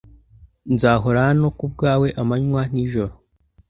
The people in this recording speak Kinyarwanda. nzahora hano kubwawe amanywa nijoro